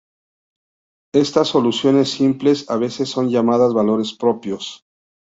Estas soluciones simples a veces son llamadas valores propios.